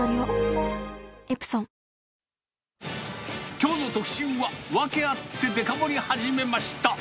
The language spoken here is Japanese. きょうの特集は、ワケあってデカ盛り始めました。